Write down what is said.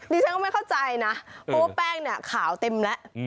ดิฉันก็ไม่เข้าใจนะโดยแป้งนี้ขาวเต็มแล้ว